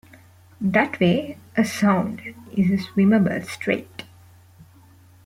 That way a "sound" is a "swimmable strait".